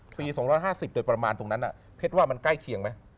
ปี๒๕๐เดียวประมาณตรงนั้นพฤทธิ์ว่ามันใกล้เคียงมั้ย